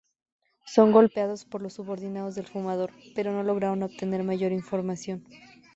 Son golpeados por los subordinados del Fumador, pero no logran obtener mayor información.